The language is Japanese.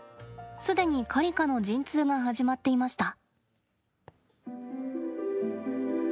既にカリカの陣痛が始まっていました。